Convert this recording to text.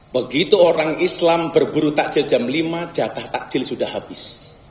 begitu orang islam berburu takjil jam lima jatah takjil sudah habis